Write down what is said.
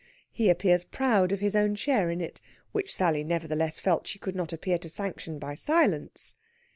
He appears proud of his own share in it, which Sally nevertheless felt she could not appear to sanction by silence.